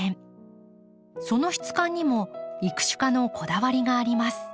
その質感にも育種家のこだわりがあります。